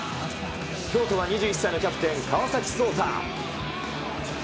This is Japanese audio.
京都は２１歳のキャプテン、川崎颯太。